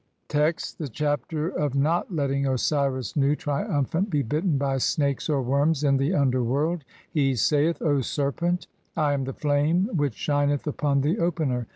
Text: (1) The Chapter of not [letting] Osiris Nu, TRIUMPHANT, BE BITTEN BY SNAKES (or WORMS) IN THE UNDER WORLD. (2) He saith :— "O Serpent! I am the flame which shineth upon the Opener